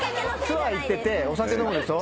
ツアー行っててお酒飲むでしょ。